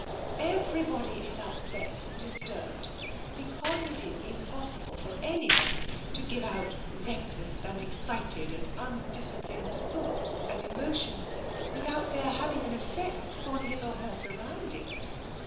Everybody is upset and disturbed, because it is im possible for anybody to give out reckless and excited and undisciplined thoughts and emotions without their having an effect upon his or her surroundings.